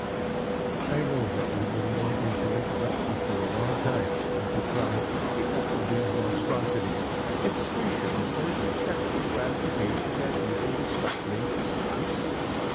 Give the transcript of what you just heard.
I know that you have been wanting to interrupt me for a long time and to cry: "Enough of these monstrosities! Excretion a source of sexual gratification that even the suckling exploits!